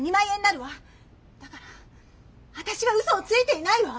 だからわたしはうそをついていないわ！